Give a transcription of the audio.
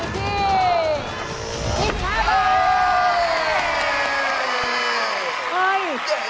โปรดติดตามต่อไป